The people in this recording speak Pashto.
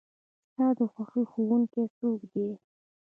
ستا د خوښې ښوونکي څوک دی؟